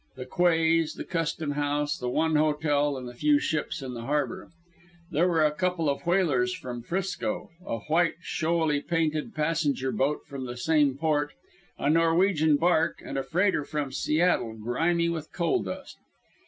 The quays, the custom house, the one hotel, and the few ships in the harbour. There were a couple of whalers from 'Frisco, a white, showily painted passenger boat from the same port, a Norwegian bark, and a freighter from Seattle grimy with coal dust.